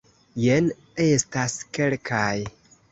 Jen estas kelkaj.